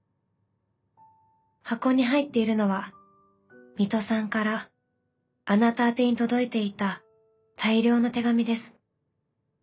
箱に入っているのは水戸さんからあなた宛てに届いていた大量の手紙です。